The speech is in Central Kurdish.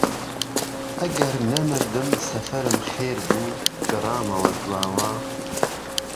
ئەگهر نهمردم سهفرم خێربوو گهڕامهوه دواوه